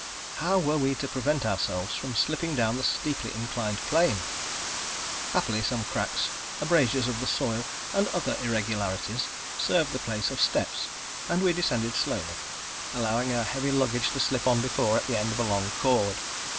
How were we to prevent ourselves from slipping down the steeply inclined plane? Happily some cracks, abrasures of the soil, and other irregularities, served the place of steps; and we descended slowly; allowing our heavy luggage to slip on before, at the end of a long cord.